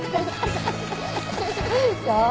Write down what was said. そう。